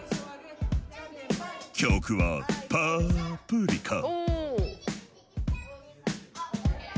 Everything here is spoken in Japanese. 曲は「パプリカ」。